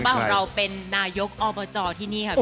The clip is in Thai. เจ้าบ้านของเราเป็นนายกอบจที่นี่ครับนี่